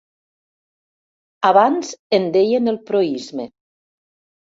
Abans en deien el proïsme.